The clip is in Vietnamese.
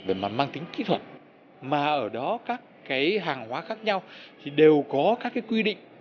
về mặt mang tính kỹ thuật mà ở đó các cái hàng hóa khác nhau thì đều có các cái quy định